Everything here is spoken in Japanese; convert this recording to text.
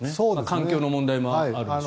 環境の問題もあって。